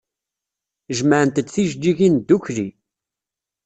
Jemɛent-d tijeǧǧigin ddukkli.